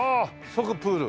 即プール。